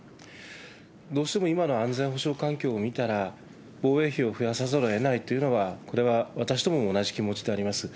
どうしても今の安全保障環境を見たら、防衛費を増やさざるをえないというのは、これは私どもも同じ気持ちであります。